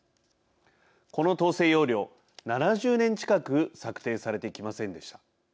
この統制要領、７０年近く策定されてきませんでした。